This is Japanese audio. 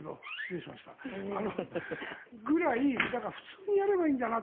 それぐらい普通にやればいいんだなって。